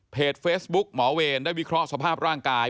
เฟซบุ๊กหมอเวรได้วิเคราะห์สภาพร่างกาย